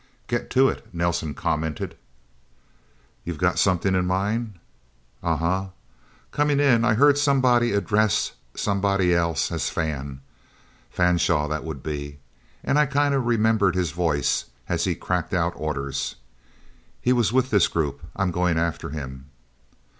"Get to it," Nelsen commented. "You've got something in mind?" "Uh huh. Coming in, I heard somebody address somebody else as Fan. Fanshaw, that would be. And I kind of remembered his voice, as he cracked out orders. He was with this group. I'm going after him."